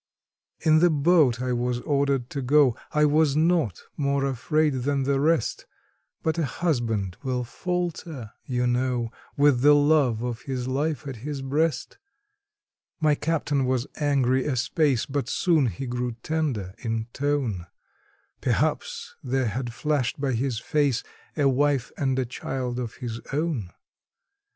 In the boat I was ordered to go I was not more afraid than the rest, But a husband will falter, you know, with the love of his life at his breast; My captain was angry a space, but soon he grew tender in tone Perhaps there had flashed by his face a wife and a child of his own.